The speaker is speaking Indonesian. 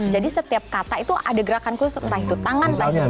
jadi setiap kata itu ada gerakan kursus entah itu tangan entah itu kaki